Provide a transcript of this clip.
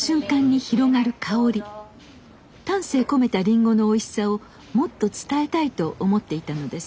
丹精込めたりんごのおいしさをもっと伝えたいと思っていたのです。